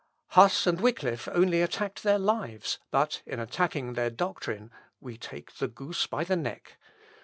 Huss and Wickliff only attacked their lives, but in attacking their doctrine, we take the goose by the neck.